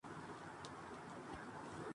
کی تصاویر میں دیکھا جاسکتا ہے